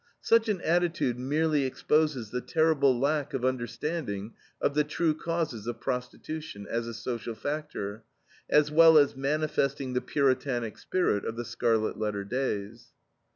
Such an attitude merely exposes the terrible lack of understanding of the true causes of prostitution, as a social factor, as well as manifesting the Puritanic spirit of the Scarlet Letter days.